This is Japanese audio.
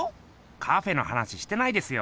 カフェの話してないですよ。